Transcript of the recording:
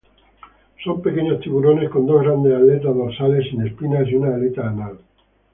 Son pequeños tiburones con dos grandes aletas dorsales sin espinas y una aleta anal.